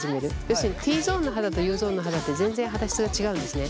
要するにＴゾーンの肌とＵゾーンの肌って全然肌質が違うんですね。